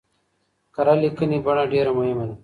کره ليکنۍ بڼه ډېره مهمه ده.